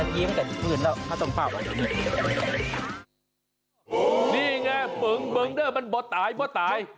นี่ไงเบิร์งเบิร์งเบิร์รบ่าตายบ่าตาย